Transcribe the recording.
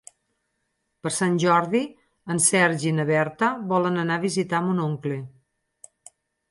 Per Sant Jordi en Sergi i na Berta volen anar a visitar mon oncle.